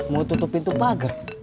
mau tutup pintu pagar